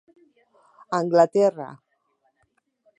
Anglaterra.